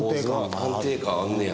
安定感あんねや。